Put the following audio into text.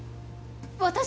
私！？